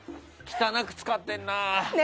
汚く使ってるな。